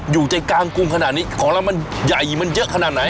อยู่ใจกลางกรุงขนาดนี้ของเรามันใหญ่มันเยอะขนาดไหน